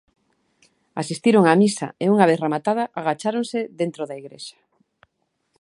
Asistiron á misa e, unha vez rematada, agacháronse dentro da igrexa.